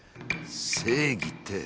正義って。